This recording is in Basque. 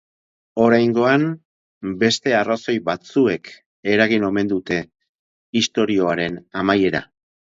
Oraingoan, beste arrazoi batzuek eragin omen dute istorioaren amaiera.